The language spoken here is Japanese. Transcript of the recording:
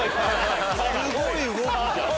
すごい！